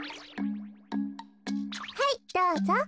はいどうぞ。